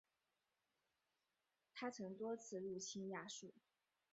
他曾多次入侵亚述。